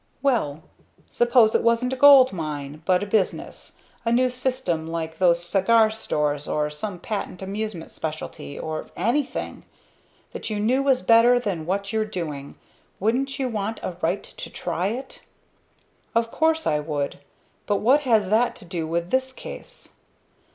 "Well, suppose it wasn't a gold mine, but a business, a new system like those cigar stores or some patent amusement specialty or anything that you knew was better than what you're doing wouldn't you have a right to try it?" "Of course I should but what has that to do with this case?"